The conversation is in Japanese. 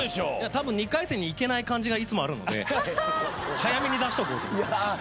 ２回戦に行けない感じがいつもあるので早めに出しとこうと思って。